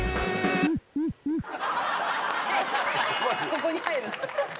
ここに入るの？